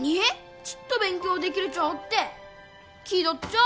ちっと勉強できるち思って気取っちょう！